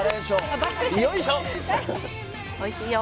おいしいよ。